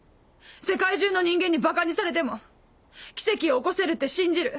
世界中の人間にばかにされても奇跡を起こせるって信じる。